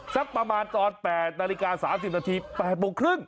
สักประมาณตอน๘นาฬิกา๓๐นาที๘โมงครึ่ง